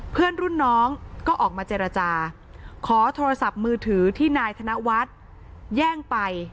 เพื่อนรุ่นน้องก็ออกมาเจรจาขอโทรศัพท์มือถือที่นายธนวัฒน์แย่งไป